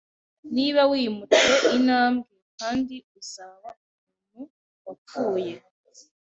Niba wimutse intambwe, kandi uzaba umuntu wapfuye